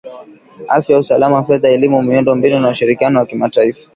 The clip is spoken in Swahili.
afya usalama fedha elimu miundo mbinu na ushirikiano wa kimataifa